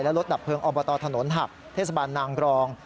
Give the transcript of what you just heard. และรถดับเพลิงอบตถนนหักเทศบาลนางกรอง